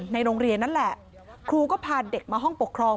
ในโรงเรียนนั่นแหละครูก็พาเด็กมาห้องปกครอง